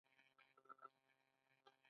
هند مریخ ته هم فضايي بیړۍ واستوله.